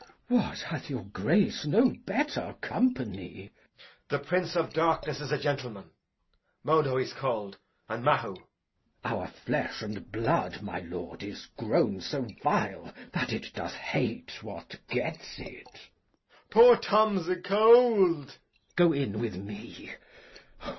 What, hath your Grace no better company? Edg. The prince of darkness is a gentleman! Modo he's call'd, and Mahu. Glou. Our flesh and blood is grown so vile, my lord, That it doth hate what gets it. Edg. Poor Tom 's acold. Glou. Go in with me.